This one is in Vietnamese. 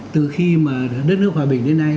từ khi mà đất nước hòa bình đến nay